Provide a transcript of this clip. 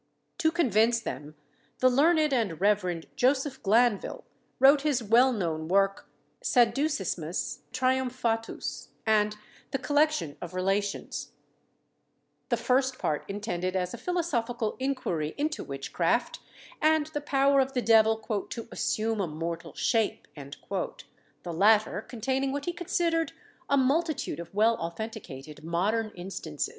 To convince them, the learned and Reverend Joseph Glanvil wrote his well known work, Sadducismus Triumphatus, and The Collection of Relations; the first part intended as a philosophical inquiry into witchcraft, and the power of the devil "to assume a mortal shape:" the latter containing what he considered a multitude of well authenticated modern instances.